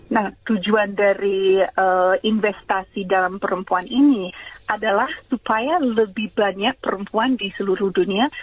nah tujuan dari investasi dalam perempuan ini adalah supaya lebih banyak perempuan di seluruh dunia